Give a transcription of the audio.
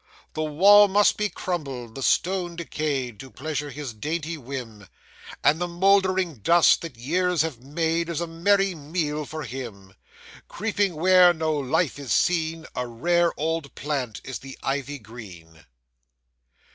The wall must be crumbled, the stone decayed, To pleasure his dainty whim; And the mouldering dust that years have made, Is a merry meal for him. Creeping where no life is seen, A rare old plant is the Ivy green.